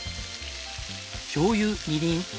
しょうゆみりん